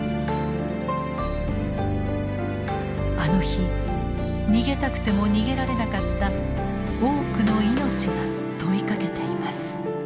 あの日逃げたくても逃げられなかった多くの命が問いかけています。